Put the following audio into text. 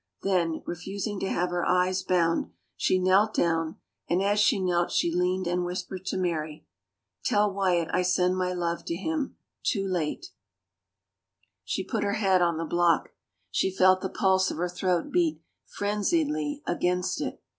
Then, refusing to have her eyes bound, she knelt down, and as she knelt she leaned and whispered to Mary, " Tell Wyatt I send my love to him too late." 27 387 THE FAVOR OF KINGS She put her head on the block. She felt the pulse of her throat beat frenziedly against it.